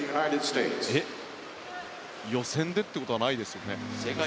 予選で、ということはないですよね？